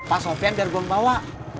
pak sofyan biar gua bawa